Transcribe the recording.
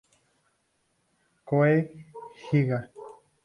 Kohei Higa